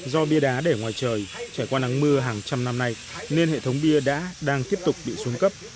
do bia đá để ngoài trời trải qua nắng mưa hàng trăm năm nay nên hệ thống bia đã đang tiếp tục bị xuống cấp